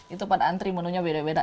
itu pada antri menu nya beda beda